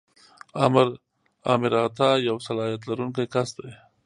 آمر اعطا یو صلاحیت لرونکی کس دی.